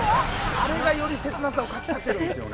あれがより切なさをかきたててるんですよね。